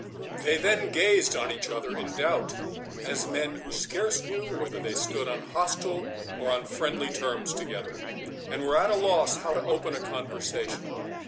They then gazed on each other in doubt, as men who scarce knew whether they stood on hostile or on friendly terms together, and were at a loss how to open a conversation.